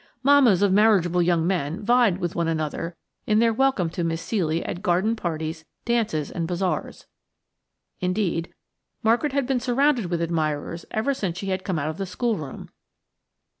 Mammas of marriageable young men vied with one another in their welcome to Miss Ceely at garden parties, dances and bazaars. Indeed, Margaret had been surrounded with admirers ever since she had come out of the schoolroom.